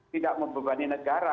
tidak membebani negara